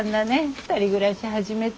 ２人暮らし始めて。